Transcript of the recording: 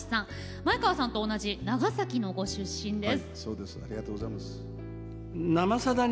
前川さんと同じ長崎のご出身です。